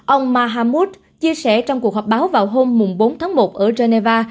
ông mahammud chia sẻ trong cuộc họp báo vào hôm bốn tháng một ở geneva